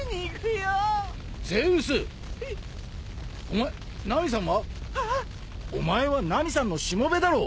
お前はナミさんのしもべだろ！